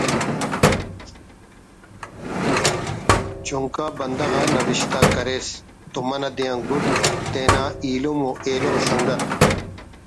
چنکا بندغ آ نوشتہ کریس تو منہ دے آن گڈ تینا ایلم و ایلو سنگت